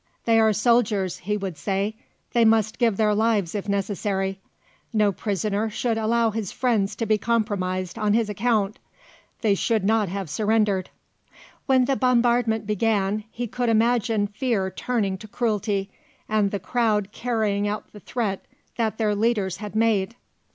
"They are soldiers," he would say; "they must give their lives if necessary. No prisoner should allow his friends to be compromised on his account. They should not have surrendered." When the bombardment began he could imagine fear turning to cruelty, and the crowd carrying out the threat that their leaders had made.